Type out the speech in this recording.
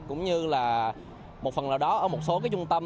cũng như là một phần nào đó ở một số trung tâm